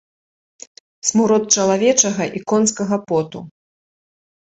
Смурод чалавечага і конскага поту.